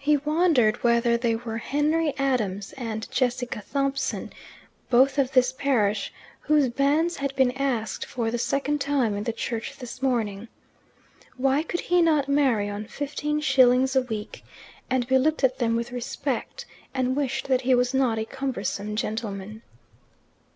He wondered whether they were Henry Adams and Jessica Thompson, both of this parish, whose banns had been asked for the second time in the church this morning. Why could he not marry on fifteen shillings a week? And be looked at them with respect, and wished that he was not a cumbersome gentleman.